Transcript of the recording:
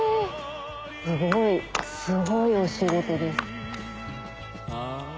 すごいすごいお仕事です。